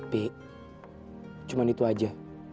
pi cuman itu aja